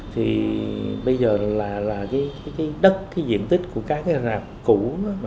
thì bây giờ là cái đất cái diện tích của các cái rạp cũ đó